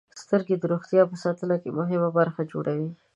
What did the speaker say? • سترګې د روغتیا په ساتنه کې مهمه برخه جوړوي.